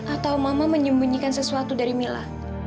atau mama menyembunyikan sesuatu dari mila